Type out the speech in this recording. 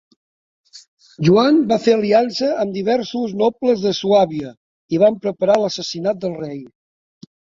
Joan va fer aliança amb diversos nobles de Suàbia i van preparar l'assassinat del rei.